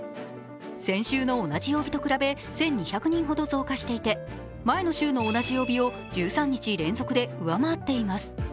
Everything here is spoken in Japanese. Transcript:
先週の同じ曜日と比べ１２００人ほど増加していて前の週の同じ曜日を１３日連続で上回っています。